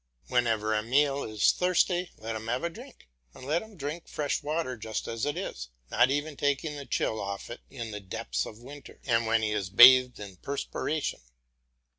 Whenever Emile is thirsty let him have a drink, and let him drink fresh water just as it is, not even taking the chill off it in the depths of winter and when he is bathed in perspiration.